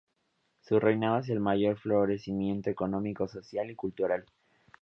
Su reinado es el mayor florecimiento económico, social y cultural.